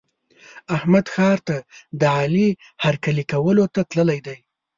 احمد ښار ته د علي هرکلي کولو ته تللی دی.